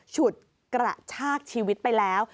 ฉุดกระชากชีวิตไปแล้ว